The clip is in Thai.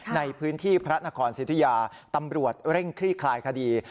ในพื้นที่พระนครสิทธิยาตำรวจเร่งคลี่คลายคดี